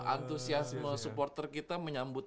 antusiasme supporter kita menyambut